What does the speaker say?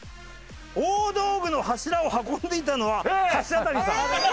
大道具の柱を運んでいたのは柱谷さん。